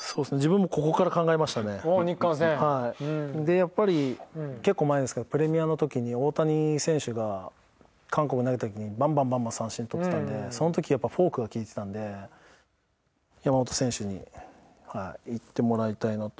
やっぱり結構前ですけどプレミアの時に大谷選手が韓国投げた時にバンバンバンバン３振取ってたんでその時やっぱフォークが利いてたんで山本選手にいってもらいたいなと。